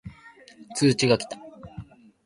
通知が来た